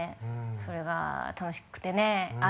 それが楽しくてね